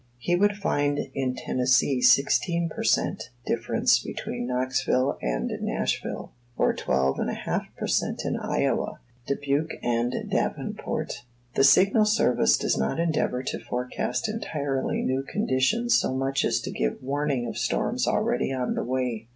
He would find in Tennessee sixteen per cent. difference between Knoxville and Nashville; or twelve and a half per cent. in Iowa between Dubuque and Davenport. The Signal Service does not endeavor to forecast entirely new conditions so much as to give warning of storms already on the way.